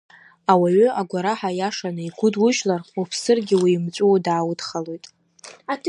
Ауаҩы агәараҳәа аиаша наигәыдужьлар, уԥсыргьы уимҵәуо дааудхалоит.